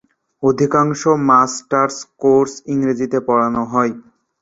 অধিকাংশ masters course ইংরেজিতে পড়ানো হয়।